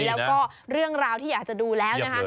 แล้วก็เรื่องราวที่อยากจะดูแล้วนะคะ